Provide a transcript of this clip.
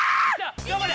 頑張れ！